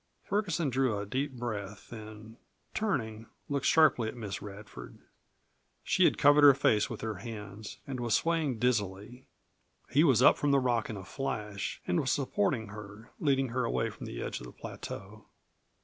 Ferguson drew a deep breath and, turning, looked sharply at Miss Radford. She had covered her face with her hands and was swaying dizzily. He was up from the rock in a flash and was supporting her, leading her away from the edge of the plateau.